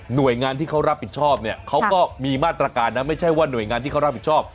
โดยงานที่เขารับผิดชอบเนี่ยเขาก็มีมาตรการนะไม่ใช่ว่าหน่วยงานที่เขารับผิดชอบ